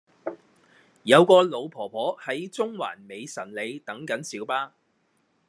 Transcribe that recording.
有個老婆婆喺中環美臣里等緊小巴